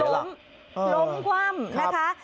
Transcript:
ล้มคว่ำนะคะ